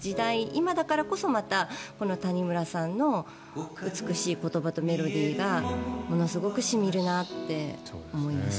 今だからこそまたこの谷村さんの美しい言葉とメロディーがものすごく染みるなって思いました。